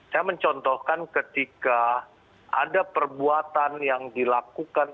saya mencontohkan ketika ada perbuatan yang dilakukan